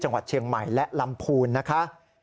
จังหวัดเชียงใหม่และลำพูนนะคะ